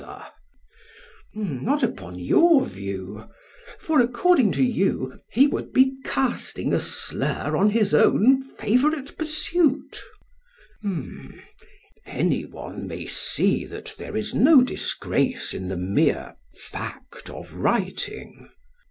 PHAEDRUS: Not upon your view; for according to you he would be casting a slur upon his own favourite pursuit. SOCRATES: Any one may see that there is no disgrace in the mere fact of writing.